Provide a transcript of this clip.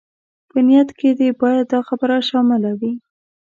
په نيت کې دې بايد دا خبره شامله وي.